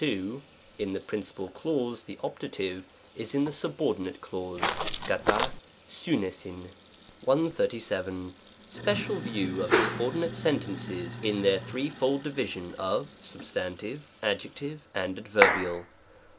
in the principal clause, the optative is in the subor dinate clause {xara avvt6cv). §137. Special View of Subordinate Sentences IN their threefold Division of Substan TivE, Adjective, and Adverbial.